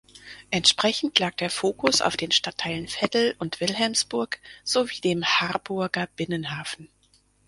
Entsprechend lag der Fokus auf den Stadtteilen Veddel und Wilhelmsburg sowie dem Harburger Binnenhafen.